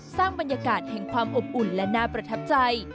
สร้างบรรยากาศแห่งความอบอุ่นและน่าประทับใจ